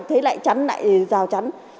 thấy lại chắn lại rào chắn